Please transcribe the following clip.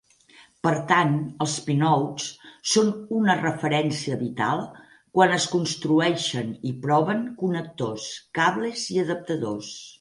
Per tant, els "pinouts" són una referència vital quan es construeixen i proven connectors, cables i adaptadors.